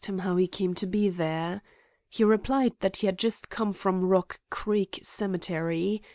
asked him how he came to be there. He replied that he had just come from Rock Creek Cemetery.